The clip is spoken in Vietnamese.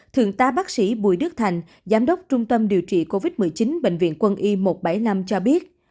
thượng tá bác sĩ bùi đức thành giám đốc trung tâm điều trị covid một mươi chín bệnh viện quân y một trăm bảy mươi năm cho biết